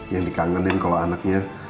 yang dikangenin kalau anaknya